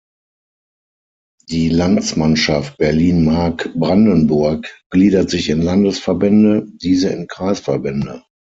Die Landsmannschaft Berlin-Mark Brandenburg gliedert sich in Landesverbände, diese in Kreisverbände.